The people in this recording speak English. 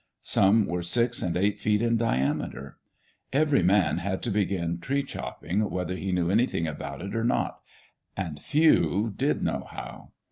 Some were six and eight feet in diameter. Every man had to begin tree chopping, whether he knew anything about it or not — and few did know how.